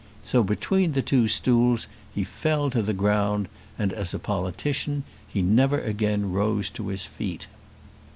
So between the two stools he fell to the ground, and, as a politician, he never again rose to his feet.